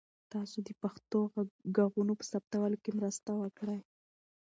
تاسو د پښتو ږغونو په ثبتولو کې مرسته وکړئ.